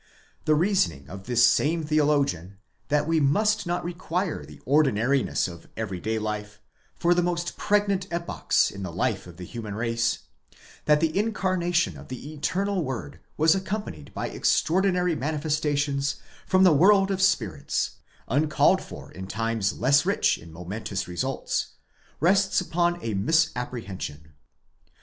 The reasoning of this same theologian, that we must not require the ordinariness of every day life for the most pregnant epochs in the life of the human race; that the incarnation of the eternal word was accompanied by extraordinary manifestations from the world of spirits, uncalled for in times less rich in momentous results,)® rests upon a misapprehension.